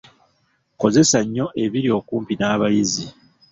Kozesa nnyo ebiri okumpi n’abayizi.